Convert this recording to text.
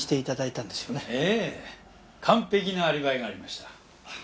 ええ完璧なアリバイがありました。